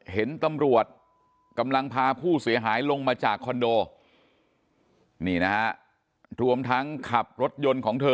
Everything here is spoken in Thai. เห็นตำรวจกำลังพาผู้เสียหายลงมาจากคอนโดนี่นะฮะรวมทั้งขับรถยนต์ของเธอ